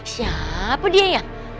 siapa dia ya